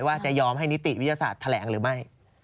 ว่าจะยอมให้นิติวิทยาศาสตร์แถลงหรือไม่